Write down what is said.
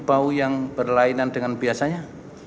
bau yang berlainan dengan biasanya